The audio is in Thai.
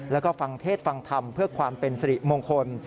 แล้วก็ฟังเทศฟังธรรมเพื่อความเป็นสิริมงคล